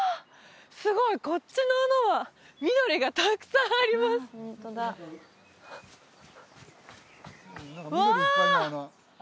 すごいこっちの穴は緑がたくさんありますわあ！